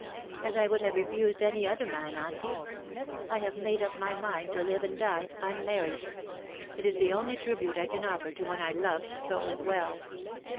''" As I would have refused any other man, Auntie. LOVES YOU AS OF OLD." 99 I have made up my mind to live and die unmarried. It is the only tribute I can offer to one I loved so well.